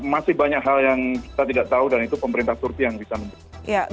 masih banyak hal yang kita tidak tahu dan itu pemerintah turki yang bisa membeli